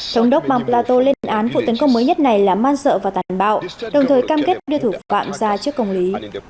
thống đốc bang plato lên án vụ tấn công mới nhất này là man sợ và tàn bạo đồng thời cam kết đưa thủ phạm ra trước công lý